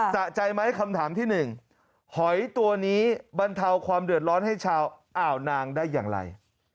สะใจไหมคำถามที่หนึ่งหอยตัวนี้บรรเทาความเดือดร้อนให้ชาวอ่าวนางได้อย่างไร